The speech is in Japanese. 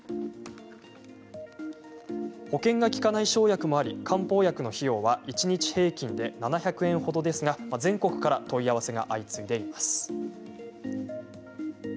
保険が利かない生薬もあり漢方薬の費用は一日平均で７００円ほどですが全国から問い合わせが相次いでいます。